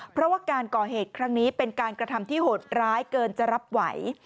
เพราะว่าการก่อเหตุครั้งนี้เป็นการกระทำที่หดร้ายเกินจะรับไหว